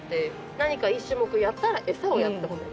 何か１種目やったら餌をやって褒める。